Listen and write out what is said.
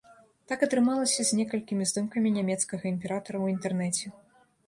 Так атрымалася з некалькімі здымкамі нямецкага імператара ў інтэрнэце.